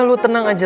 lo tenang aja